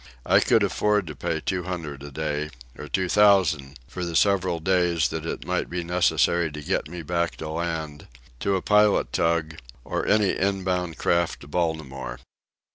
I could afford to pay two hundred a day, or two thousand, for the several days that might be necessary to get me back to the land, to a pilot tug, or any inbound craft to Baltimore.